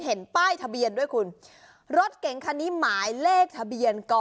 ป้ายทะเบียนด้วยคุณรถเก๋งคันนี้หมายเลขทะเบียนก